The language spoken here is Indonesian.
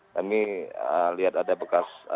kami lihat ada bekas